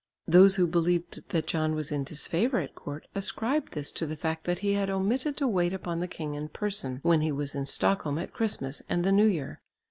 Those who believed that John was in disfavour at court ascribed this to the fact that he had omitted to wait upon the king in person when he was in Stockholm at Christmas and the New Year.